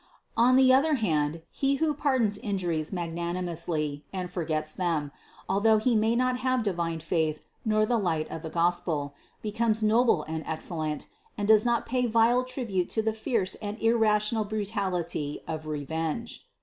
On the other hand, he who pardons injuries magnanimously and forgets them, al though he may not have divine faith nor the light of the Gospel, becomes noble and excellent, and does not pay vile tribute to the fierce and irrational brutality of re venge.